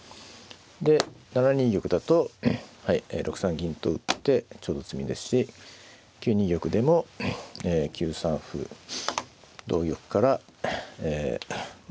で７二玉だと６三銀と打ってちょうど詰みですし９二玉でも９三歩同玉からえま